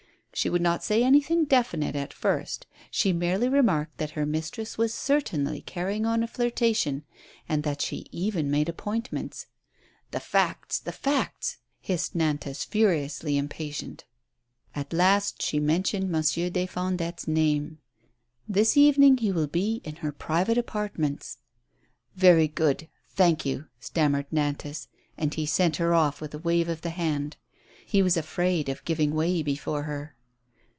She would not say anything definite at first. She merely remarked that her mistress was certainly carry ing on a flirtation and that she even made appointments. TREACHERY. 101 The facts, the facts I '• hissed Nantas, furiously im patient. At last she mentioned Monsieur des Fondettes' name. Tliis evening he will be in her private apartments.'* " Very good — thank you," stammered Nantas. And he sent her off with a wave of the hand ; he was afraid of giving way before her.